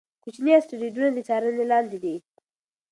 کوچني اسټروېډونه د څارنې لاندې دي.